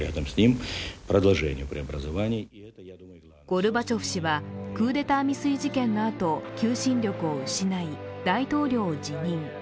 ゴルバチョフ氏はクーデター未遂事件のあと求心力を失い、大統領を辞任。